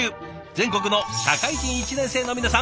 全国の社会人１年生の皆さん